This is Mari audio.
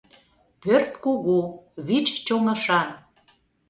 Пӧрт кугу, вич чоҥышан.